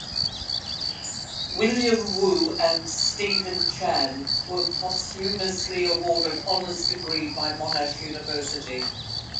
William Wu and Steven Chan were posthumously awarded honours degrees by Monash University.